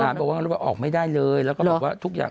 บอกว่าออกไม่ได้เลยแล้วก็บอกว่าทุกอย่าง